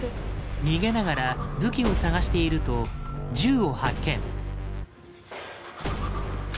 逃げながら武器を探していると銃を発見。